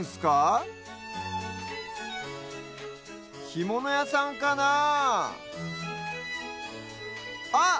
ひものやさんかなああっ！